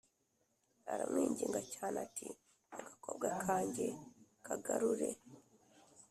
Aramwinginga cyane ati Agakobwa kanjye kagarure